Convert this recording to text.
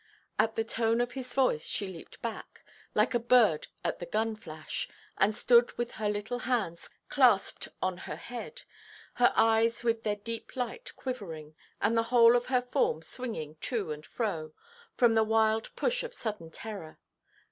At the tone of his voice she leaped back, like a bird at the gun–flash, and stood with her little hands clasped on her head, her eyes with their deep light quivering, and the whole of her form swinging to and fro, from the wild push of sudden terror.